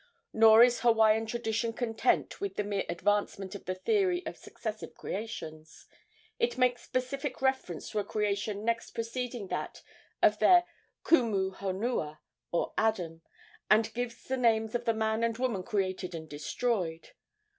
Nor is Hawaiian tradition content with the mere advancement of the theory of successive creations. It makes specific reference to a creation next preceding that of their Ku mu honua, or Adam, and gives the names of the man and woman created and destroyed.